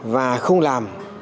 và không làm